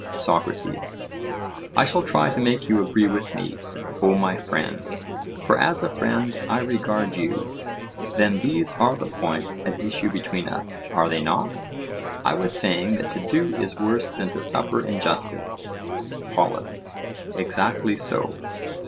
SOCRATES: I shall try to make you agree with me, O my friend, for as a friend I regard you. Then these are the points at issue between us—are they not? I was saying that to do is worse than to suffer injustice? POLUS: Exactly so.